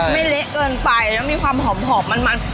ไม่เละเกินไปแล้วมีความหอมหอมมันมัน